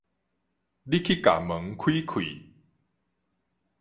你去共門開開